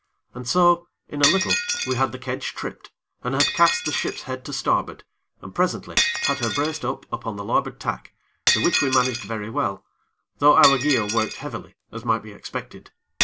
And so, in a little, we had the kedge tripped, and had cast the ship's head to starboard, and presently, had her braced up upon the larboard tack, the which we managed very well; though our gear worked heavily, as might be expected.